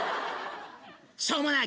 しょうもない。